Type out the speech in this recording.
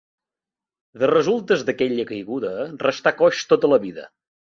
De resultes d'aquella caiguda restà coix tota la vida.